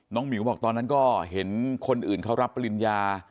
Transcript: หมิวบอกตอนนั้นก็เห็นคนอื่นเขารับปริญญา